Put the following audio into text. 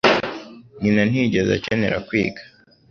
Nyina ntiyigeze akenera kwiga.